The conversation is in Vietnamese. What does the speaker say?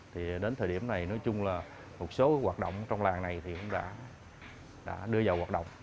thì đến thời điểm này nói chung là một số hoạt động trong làng này thì cũng đã đưa vào hoạt động